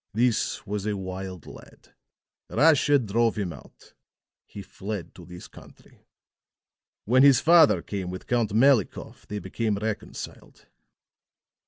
This was a wild lad. Russia drove him out. He fled to this country. When his father came with Count Malikoff they became reconciled.